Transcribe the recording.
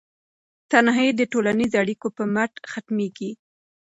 تنهایي د ټولنیزو اړیکو په مټ ختمیږي.